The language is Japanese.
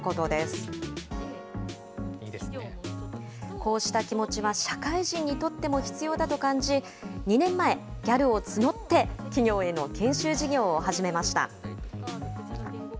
こうした気持ちは社会人にとっても必要だと感じ、２年前、ギャルを募って、企業への研修事業を始めました。